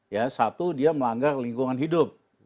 ya satu dia melanggar lingkungan hidup